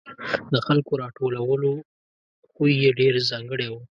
د خلکو راټولولو خوی یې ډېر ځانګړی و.